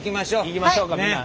いきましょうかみんな。